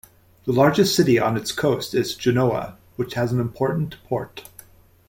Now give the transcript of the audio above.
The largest city on its coast is Genoa, which has an important port.